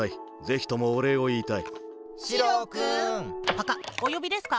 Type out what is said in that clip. パカッおよびですか？